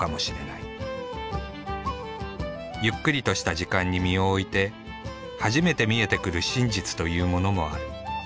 ゆっくりとした時間に身を置いて初めて見えてくる真実というものもある。